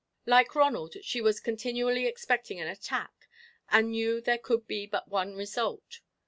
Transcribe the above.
Like Ronald, she was continually expecting an attack and knew there could be but one result.